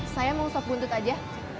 saya mau stop guntut aja